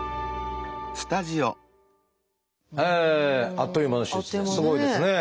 あっという間の手術ですごいですね。